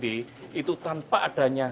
di itu tanpa adanya